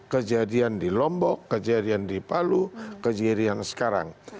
kejadian di lombok kejadian di palu kejadian sekarang